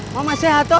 mama sehat oh